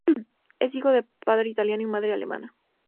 Es hijo de padre italiano y madre alemana.